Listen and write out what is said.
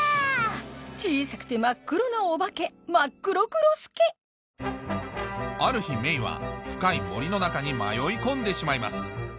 小さくて真っ黒なお化けある日メイは深い森の中に迷い込んでしまいます